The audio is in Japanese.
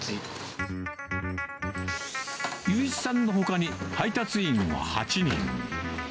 雄一さんのほかに配達員は８人。